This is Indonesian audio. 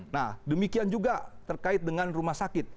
nah demikian juga terkait dengan rumah sakit